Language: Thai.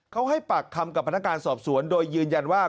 เขาให้ปากคำกับพนักงานสอบสวนโดยยืนยันว่า